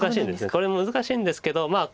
これ難しいんですけどまあ